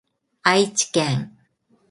愛知県